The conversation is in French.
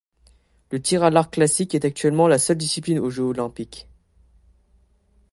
Le tir à l'arc classique est actuellement la seule discipline aux Jeux olympiques.